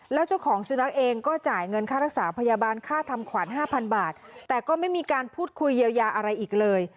แล้วเจ้าของสุนัขเองก็จ่ายเงินค่ารักษาพยาบาลค่าทำขวัญ๕๐๐บาทแต่ก็ไม่มีการพูดคุยเยียวยาอะไรอีกเลย